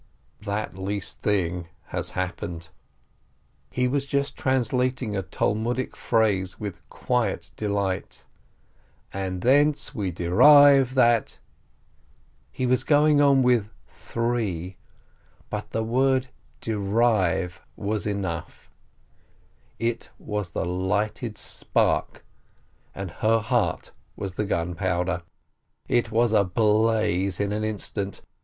That least thing has happened. He was just translating a Talmudic phrase with quiet delight, "And thence we derive that —" He was going on with "three, —" but the word "derive" was enough, it was the lighted spark, and her heart was the gunpowder. It was ablaze in an instant.